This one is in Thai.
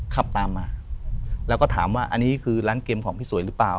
ขับตามมาแล้วก็ถามว่าอันนี้คือร้านเกมของพี่สวยหรือเปล่า